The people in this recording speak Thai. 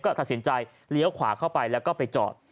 ตัดสินใจเลี้ยวขวาเข้าไปแล้วก็ไปจอด